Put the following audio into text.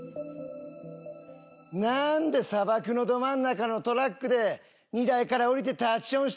なーんで砂漠のど真ん中のトラックで荷台から降りて立ちションした？